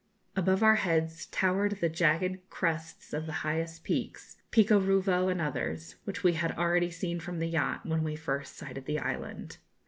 Above our heads towered the jagged crests of the highest peaks, Pico Ruivo and others, which we had already seen from the yacht, when we first sighted the island.